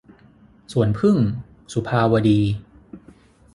สวนผึ้ง - สุภาวดี